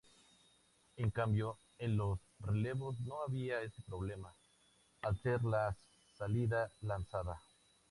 En cambio en los relevos no había ese problema, al ser la salida lanzada.